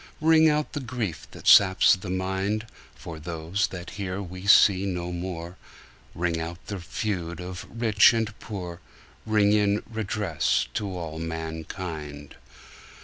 Ring out the grief that saps the mind, For those that here we see no more, Ring out the feud of rich and poor, Ring in redress to all mankind.